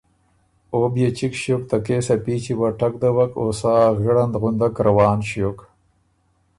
او بيې چِګ ݭیوک ته کېس ا پیچي وه ټک دوَک او سا غِړند غُندک روان ݭیوک۔